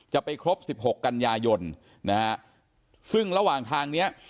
จะไปครบสิบหกกันยายนนะฮะซึ่งระหว่างทางเนี้ย